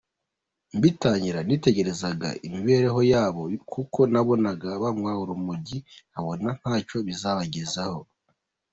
Mbitangira, nitegerezaga imibereho yabo kuko nababonaga banywa urumogi, nkabona ntacyo bizabagezaho.